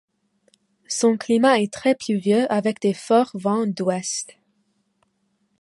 Son climat est très pluvieux avec de forts vents d'ouest.